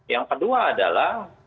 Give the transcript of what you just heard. yang kedua adalah